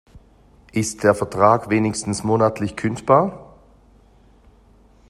Ist der Vertrag wenigstens monatlich kündbar?